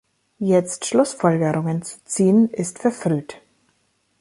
Jetzt Schlussfolgerungen zu ziehen, ist verfrüht.